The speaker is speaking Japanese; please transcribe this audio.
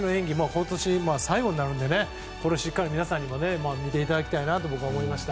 今年最後になるのでこれをしっかり皆さんにも見ていただきたいなと僕は思いました。